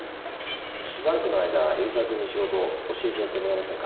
しばらくの間蛯沢君に仕事教えてやってもらえませんか？